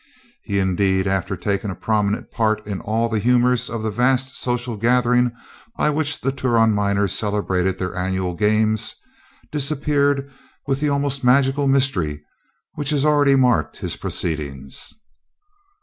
He, indeed, after taking a prominent part in all the humours of the vast social gathering by which the Turon miners celebrated their annual games, disappeared with the almost magical mystery which has already marked his proceedings.